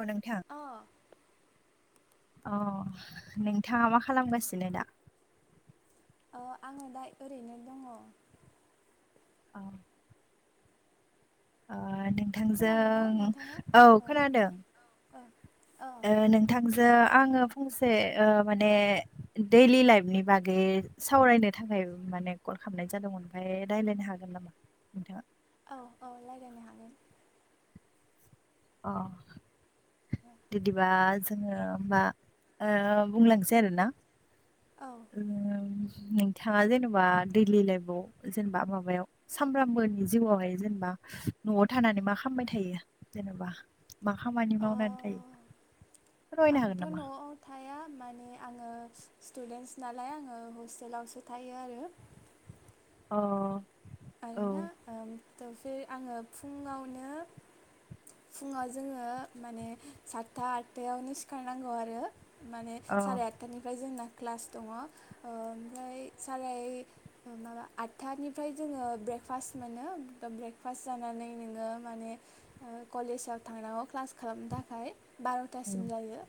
औ नोंथां अ अ नोंथांङा मा खालामगासिनो दा? अ आंङो दा ओरैनो दंङ। औ। खोनादोंना नोंथांजों नोंथाङा औ खोनादों ओ औ नोंथांजो आंङो फंसे माने दैलि लाइफनि बागै सावरायनो थाखाय माने कल खालामनाय जादोंमोन ओमफफ्राय रायजलायनो हागोन नामा नोंथांङा औ औ रायज्लायनो हागोन अ बिदिबा जोंङो हबा बुंलांनोसै आरो ना औ नोंथांङा जेनेबा दैलि लाइफआव जेनेबा माबायाव सामफ्र्रामबोनि जिउआवहाय जेनेबा न'आव थानानै मा खालामामबाय थायो? जेनेबा मा खामानि ओ मावनानै थायो? फोरमायनो हागोन आंथ' नामा न'आव थाया माने आंङो स्टुडेन्टस नालाय आङो हस्टेलावसो थायो आरो अ आरोना औ आंङो फुंङावनो फुङाव जोंङो माने सातथा आतथायावनो सिखारनांगौ आरो माने अ साराय आटथानिफ्राय जोंना क्लास दंङो ओमफ्राय सारे माबा आतथानिफ्राय जोङो ब्रेकफास्ट मोनो ब्रेकफास्ट जानानै नोंङो माने कलेजाव थांनांगौ क्लास खालामनो थाखाय बार'थासिम उम जायो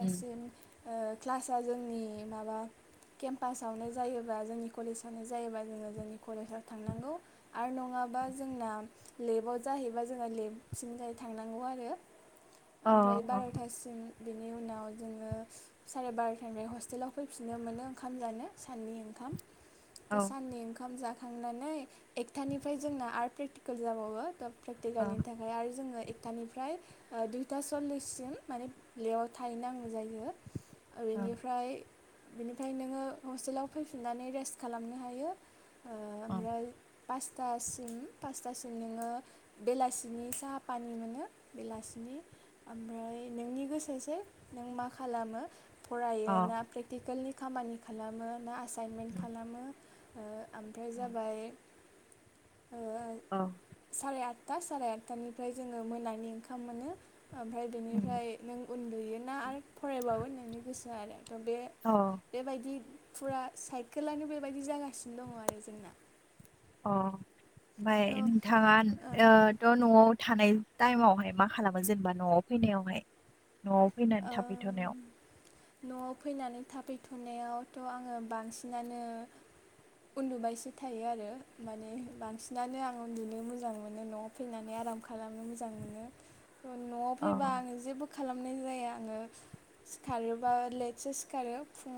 उम क्लास जोंनि माबा केम्पासावनो जायोबा जोंनि कलेजावनो जायोबा जोङो जोंनि कलेजाव थांनांगौ आरो नंङाबा जोंना लेबाव जाहैबा जोंङो लेब सिमफ्राय थांनांगौ आरो अ ओमफ्राय बार'थासिम बिनि उनाव जोंङो साराय बार'थानिफ्राय हस्टेलाव फैफिननो मोनो ओंखाम जानो साननि ओंखाम औ दा साननै ओंखाम जाखांनानै एकथानिफ्राय जोंना आरट प्रेकटिकेल जाबावो था अ प्रेकटिकेलनि थाखाय आरो जोङो एकथानिफ्राय दुइथा सल्लिससिम माने ल्लेआव थाहैनांगौ जायो। अ बेनिफ्राय बेनिफ्राय नोङो हस्टेलाव फैफिननानै रेस्ट खालामनो हायो अ ओमफ्राय पासथासिम पासथासिम नोङो बेलासिनि साहा पानि मोनो बेलासिनि ओमफ्राय नोंनि गोसोसो नों मा खालामो अ फरायो ना प्रेक्टिकेलनि खामानि खालामो ना एाइनमेन्ट उम खालामो ओ ओमफ्राय जाबाय ओ अ साराय आथ आदथा साराय आठथानिफ्राय जोङो मोनानि ओंखाम मोनो ओमफ्राय उम बेनिफ्राय नों उन्दुयोना आरो फरायबावो नोंनि गोसोआ आरो थ' बे अ बेबायदि फुरा साइकेलानो बेबायदि जागासिनो दङ आरो जोंना अ ओमाय थ' नोंथाङाथ' ओं न'आव थानाय टाइमावहाय मा खालामो जेनेबा न'आव फैनायावहाय न'आव फैनानै थाफैथ'नायाव ओम न'आव फैनानै थाफैथ'नायावथ' आङो बांसिनानो उन्दुबायसो थायो आरो माने बांसिनानो आं उन्दुनो मोजां मोनो न' फैनानै आराम खालामनो मोजां मोनो थ न'आव अ फैबा आङो जेबो खालामनाय जायो आङो सिखारोबा लेटसो सिखारो फुं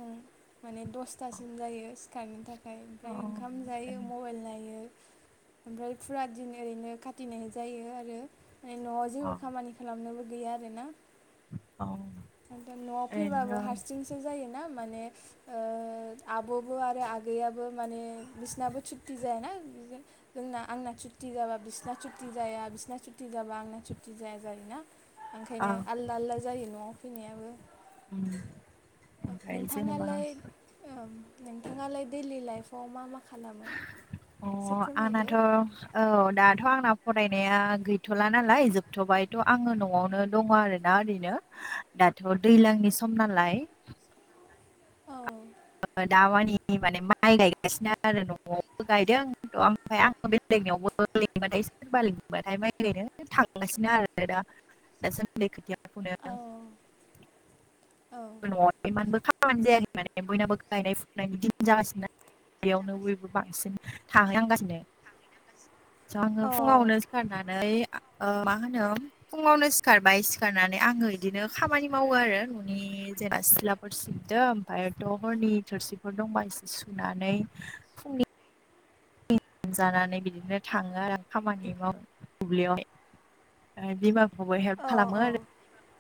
माने अ दसथासिम जायो सिखारनो था खाय अ ओमफ्राय ओंखाम जायो मबाइल नायो। ओमफ्राय फुरा दिन ओरैनो खाथिनाय जायो आरो फ्राय न'आव औ जेबो खामानि खालामनोबो गैया आरो ना औ खायथन न'आव फैबाबो हारसिंसो जायोना माने ओ आब'बो आरो आगैयाबो माने बिसनाबो सुथि जायाना बिदि जोंना आंना सुथि जाबा बिसिना सुटि जाया बिसिना सुथि जाबा आंना सुटि जाया जायोना औ ओंखायनो आलदा आलदा जायो न'आव फैनायाबो। ओमफ्राय जेनेबा नोंथाङालाय नोंथाङालाय दैलि लाइफ आव मा मा खालामो अ एसे फोरमायदो आंनाथ' औ दाथ' आंना फरायनाया गैथ'ला नालाय जोबथ'बायथ' आङो न'आवनो दङ आरो दा ओरैनो दाथ' दैज्लांनि सम नालाय औ दा मानि माइ गायगासिनो आरो न'आवबो गायदों ओमफ्राय आंङो बेलेगनियावबो लिंबाथाय सोरबा लिबाथाय माइ ओरैनो थांगासिनो आरो दा दासान्दै खोथिया फुनो। औ औ न'आव इमानबो खामानि जायाखै माने बयनाबो गायनाय फुनायनि दिन जागासिनो ना ब्लियावनो बयबो बांसिन थाहैनांगासिनो। आङो औ फुङावनो सिखारनानै मा होनो फुङावनो खारबाय सिखारनानै आङो इदिनो खामानि मावो आरो नि जायबा सिथ्लाफोर सिबदो ओमफ्रायथ' हरनि थोरसिफोर दंबा एसे सुनानै फुंनि जानानै बिदिनो थाङो आरो खामानि मावनो दुब्लियावहाय [unintelligible] खौबो औ हेल्प खालामो आरो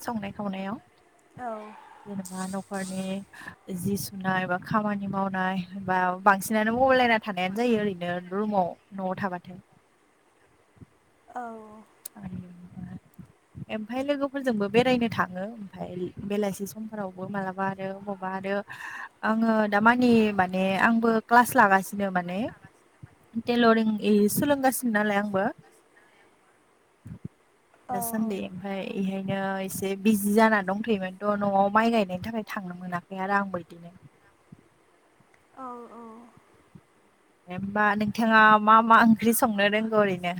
संनाय खावनायाव औ जेनेबा न'खरनि जि सुनाय बा खामानि मावनाय बा बांसिनानो बबाइल नायना थानायानो जायो ओरैनो रुमाव न'आव थाबाथाय औ ओमफाय लोगोफोरजोंबो बेरायनो थाङो। ओमफाय बेलासि समफोरावबो मालाबा आरो बबावबा आरो आङो दामानि माने आंबो क्लास लागासिनो माने टेलरिं इ सोलोंगासिनो नालाय आंबो। औ दासानदि ओमफाय एहायनो एसे बिजि जाना दंथ'योमोनथ' न'आव माइ गायनायनि थाखाय थांनो मोनाखै आरो आंबो बिदिनो औ औ होमबा नोंथाङा मा मा ओंख्रि संनो रोंगौ ओरैनो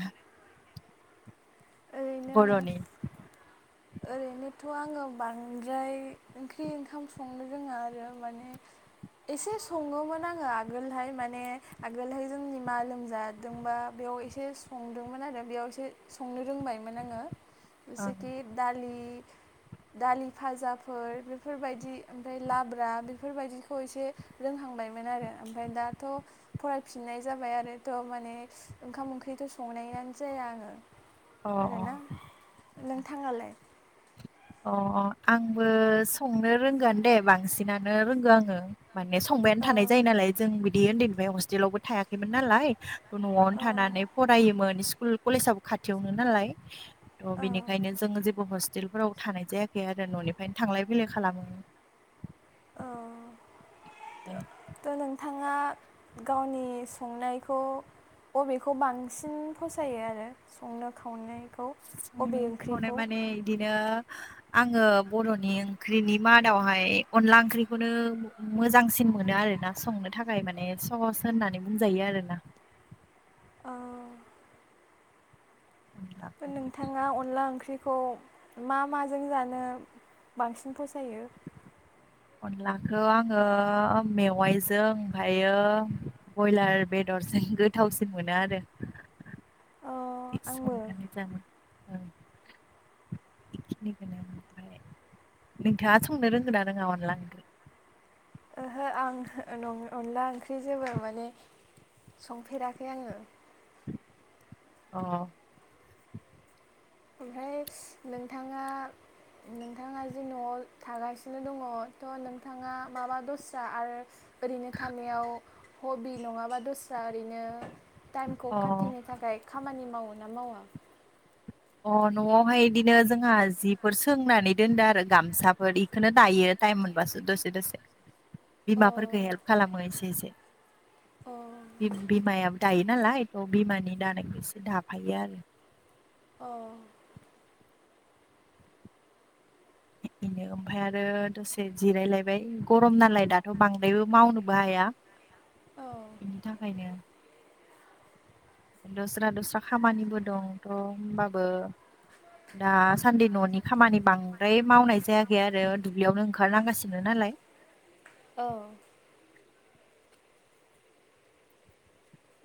ओरैनो बर'नि ओरैनोथ' आङो बांद्राय ओंख्रि ओंखाम संनो रोङा आरो माने एसे सङोमोन आङो आगोलहाय माने आगोलहाय जोंनि मा लोमजादोंबा बेयाव एसे संदोंमोन आरो बेयावससे संनो रोंबायमोन आङो ओं जेसेखि दालि दालि फाजाफोर बेफोरबायदि ओमफ्राय लाब्रा बेफोरबायदिखौ एसे रोंहांबायमोन आरो ओमफ्राय दाथ' फरायफिननाय जाबाय आरो थ' माने ओंखाम ओंख्रिथ' संनायानो जाया आङो। अ आरोना नोंथाङालाय? अ आंबो संनो रोंगोआनो दे बांसिनानो रोंगौ आङो। माने संबायानो थानाय औ जायो नालाय जों बिदि उन्दैनिफ्राय हस्टेलावबो थायाखैमोन नालाय। औ न'आवनो थानानै फरायोमोन स्कुल कलेजाबो खाथियावनो नालाय। थ' औ बेनिखायनो जों जेबो हस्टेलफोराव थानाय जायाखै आरो न'निफ्रायनो थांलाय फैलाय खालामो। औ ओमफ्राय थ' नोंथां थाङा गावनि सोंनायखौ बबेखौ बांसिन फसायो आरो संनो खावनाय। सं सनाय माने बिदिनो आङो बर'नि ओंख्रिनि मादावहाय अनला ओंख्रिखौनो मोजांसिन मोनो आरोना। संनो थाखाय माने सहस होननानै बुंजायो आरोना। औ उलथा। नोंथाङा अनला ओंख्रिखौ मा माजों जानो बांसिन फसायो? अनलाखौ आङो मेवाइजों ओमफायो। बयलार बेदरजों गोथावसिन मोनो आरो। अ [unintelligible] आंबो संनानै जानाय औ। बेखिनिखौनो ओमफ्राय नोंथाङा संनो रोंगोन ना रोङा अनखांनो? ओहो आं ओ-नं- अनला ओंख्रि जेबो माने संफेराखै आङो। अ ओमफ्राय नोंथाङा। नोंथाङा जे न'आव थागासिनो दङ थ' नोंथाङा माबा दस्रा आरो ओरैनो थानायाव हबि नङाबा दस्रा ओरैनो। टाइमखौ अ खाथिनो थाखाय खामानि मावो ना मावा? अ न'आवहाय बिदिनो जोंहा जिफोर सोंनानै दोनदो आरो गामसा बेखौनो दायो टाइम मोनबासो दसे दसे। अ बिमाफोरखो हेल्प खालामो एसे एसे। अ बिमायो दायो नालाय थ' बिमानि दानायखौ एसे दाफायो आरो। अ बेनो ओमफ्राय आरो दसे जिरायलायबाय गरम नालाय दाथ' बां बायबो मावनोबो हाया बेनि थाखायनो। दस्रा दस्रा खामानिबो दंथ' होनोमबाबो। दाासान्दि न'नि खामानि बांद्राय मावनाय जायाखै आरो दुब्लियावनो ओंखारनांगासिनो नालाय। अ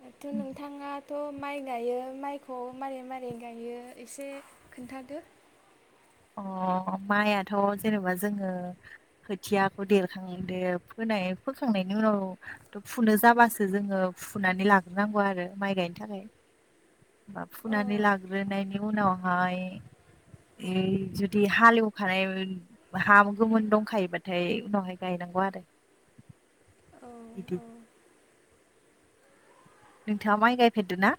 दाथ' नोंथाङा थ' माइ गायो माइखौ मारै मारै गायो एसे खोन्थादो। अ माइआथ' जेनेबा जोङो। खोथियाखौ देरखांदो फोनाय फोखांनायनि उनाव। थ' फुनो जाबासो जोङो फुनानै लाग्रोनांगौ आरो माइ गायनो थाखाय। मा औ फुनानै लाग्रोनायनि उनावहाय। ए जुदि हालेवखानाय हा गोमोन दंखायोबाथाय उनावहाय गायनांगौ आरो औ बिदि औ नोंथाङा माइ गायफेरदो ना?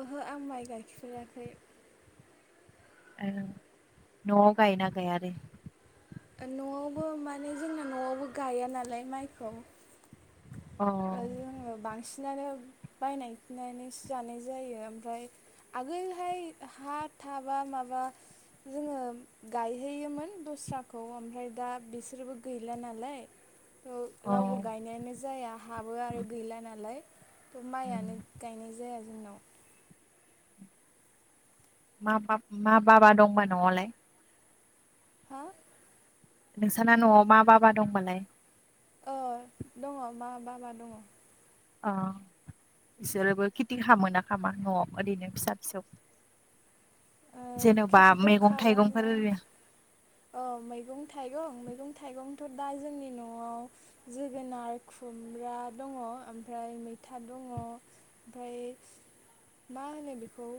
ओहो आं माइ गाइफेराखै। औ न'आव गायनाा गाय आरो? ओ-न'आवबो माने जोंना न'आवबो गाया नालाय माइखौ। अ ओ-जोङो बांसिनानो बायनाय फिनानैसो जानाय जायो ओमफ्राय आगोलहाय हा थाबा माबा। जोङो गायहोयोमोन दस्राखौ ओमफ्राय दा बिसोरबो गैला नालाय। थ' अ रावबो गायनायानो जाया हाबो आरो गैला नालाय। माइयनो उम। गायनाय जाया जोंनाव। मा मा बाबा दंबा न'आवलाय हा? नोंसाना न'आव मा-बाबा दंबालाय। अ दङ मा-बाबा दङ। अ। बिसोरोबो खेथि खालामो ना खामा न'आव ओरैनो फिसा फिसौ? जेन'बा खेथिथ' मैगं खालामा थाइगंफोर ओरै औ मैगं थाइगं, मैगं थाइगंथ' दा जोंनि न'आव जोगोनार खुमब्रा दङ ओमफ्राय मैथा दङ। ओमफ्राय मा होनो बेखौ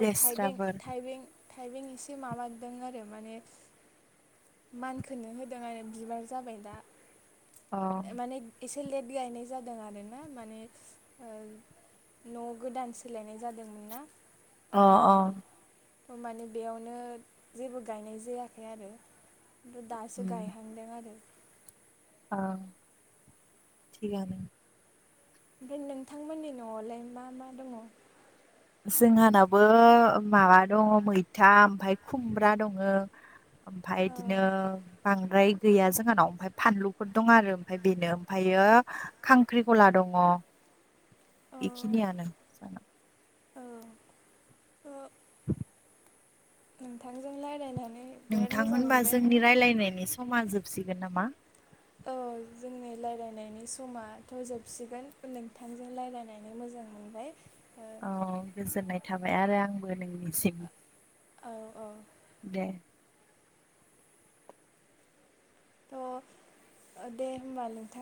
औ थाइबें लेस्राफोर थाइबें थाइबें एसे माबादों आरो माने मानखोनो होदों आरो बिबार जाबाय दा अ ओ माने एसे लेट गायनाय जादों आरोना माने ओ न' गोदान सोलायनाय जादोंमोन ना अ ओंखायनो। माने बेयावनो जेबो गायनाय जायाखै आरो। खिन्थु दासो गायहांदों आरो। ओ [inaudible] थिगानो। ओमफ्राय नोंथांमोननि न'आवलाय मा मा दङ? जोंहानावो माबा दङ मैथा ओमफाय खुमब्रा दङ। ओमफाय बिदिनो बांद्राय गैया जोंहानाव ओमफ्राय फानलुफोर दं आरो ओमफ्राय बेनो ओमफ्रायो खांख्रि खला दङ। औ एखिनि आनो जाना। औ [inaudible] नोंथांजों रायलायनानै नोंथां होनबा जोंनि रायलायनायनि समा जोबसिगोन नामा? औ जोंनि रायलायनायनि समाथ' जोबसिगोन नोंथांजों रायज्लायनानै मोजां मोन ओमफाय औ गोजोननाय थाबाय आरो आंबो नोंनिसिम। औ औ। दे। थ' ओ दे होनोमबा नोंथां।